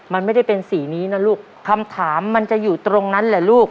มันไม่ได้เป็นสีนี้นะลูกคำถามมันจะอยู่ตรงนั้นแหละลูก